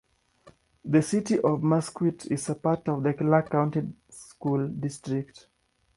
The city of Mesquite is a part of the Clark County School District.